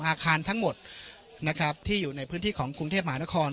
อาคารทั้งหมดนะครับที่อยู่ในพื้นที่ของกรุงเทพมหานคร